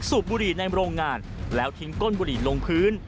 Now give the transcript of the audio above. สูบบุหรี่ในโรงงานแล้วทิ้งก้นบุหรี่ลงพื้น